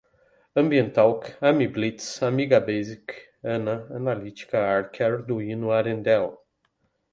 ambienttalk, amiblitz, amigabasic, ana, analytica, arc, arduino, arendelle